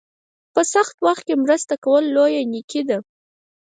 په سخت وخت کې مرسته کول لویه نیکي ده.